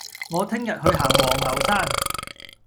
我聽日去行黃牛山